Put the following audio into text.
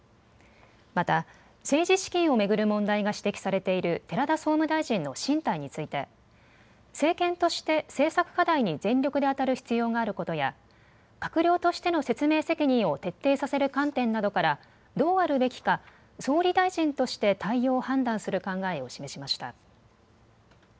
また、政治資金を巡る問題が指摘されている寺田総務大臣の進退について、政権として政策課題に全力で当たる必要があることや、閣僚としての説明責任を徹底させる観点などから、どうあるべきか、総理大臣として対応を判断する考えを示しました。